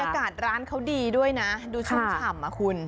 บรรยากาศร้านเขาดีด้วยนะดูชมข่ำคุณ